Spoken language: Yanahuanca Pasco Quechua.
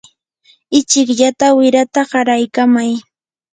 ichikllata wirata qaraykamay.